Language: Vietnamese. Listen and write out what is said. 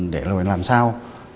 để rồi làm sao